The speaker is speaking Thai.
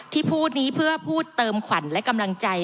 ที่พูดนี้เพื่อพูดเติมขวัญและกำลังใจ